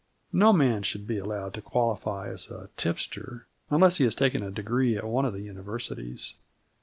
No man should be allowed to qualify as a tipster unless he has taken a degree at one of the Universities.